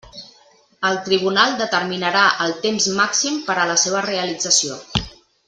El tribunal determinarà el temps màxim per a la seva realització.